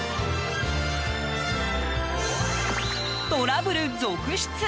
トラブル続出！